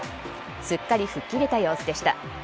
すっかり吹っ切れた様子でした。